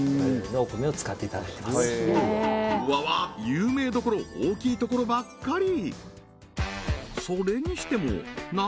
有名どころ大きいところばっかり